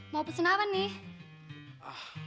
mau pesen apa nih